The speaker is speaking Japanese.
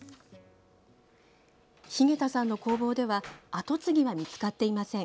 日下田さんの工房では跡継ぎは見つかっていません。